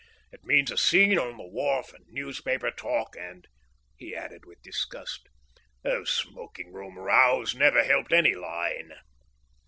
It means a scene on the wharf, and newspaper talk; and," he added with disgust, "these smoking room rows never helped any line."